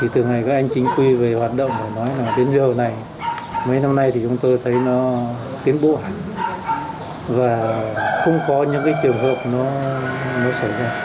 từ ngày các anh chính quy về hoạt động nói đến giờ này mấy năm nay chúng tôi thấy nó tiến bộ hẳn và không có những trường hợp nó xảy ra